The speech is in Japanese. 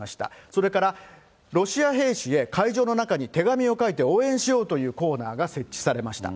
それからロシア兵士へ会場の中に手紙を書いて応援しようというコーナーが設置されました。